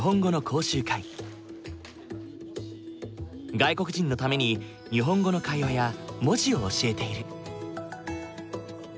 外国人のために日本語の会話や文字を教えている。